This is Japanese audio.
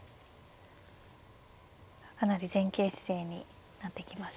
かなり前傾姿勢になってきましたね。